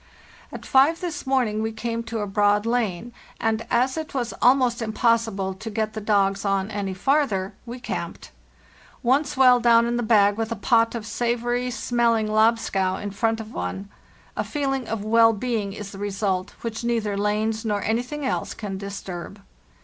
" At five this morning we came to a broad lane, and as it was almost impossible to get the dogs on any farther, we camped. Once well down in the bag with a pot of savory smelling lobscouse in front of one, a feeling of well being is the result, which neither lanes nor anything else can disturb.